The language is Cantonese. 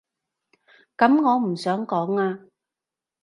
噉我唔想講啊